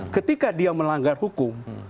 ketika dia melanggar hukum